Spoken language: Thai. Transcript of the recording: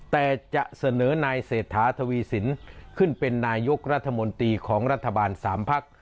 แต่จะเสนอนายเศรษฐาทวีสินขึ้นเป็นนายกรัฐมนตรีของรัฐบาล๓พัก